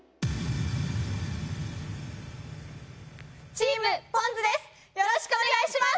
チームポンズです！